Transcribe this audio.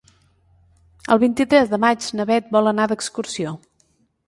El vint-i-tres de maig na Beth vol anar d'excursió.